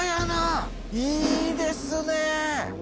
いいですね。